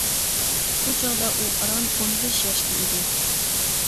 بۇ چاغدا ئۇ ئاران ئون بەش ياشتا ئىدى.